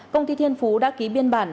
công ty thiên phú đã ký biên bản